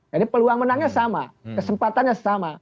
jadi peluang menangnya sama kesempatannya sama